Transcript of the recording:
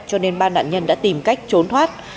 cho nên ba nạn nhân đã tìm cách trốn thoát